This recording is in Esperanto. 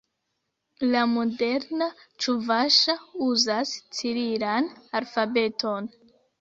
La moderna ĉuvaŝa uzas cirilan alfabeton.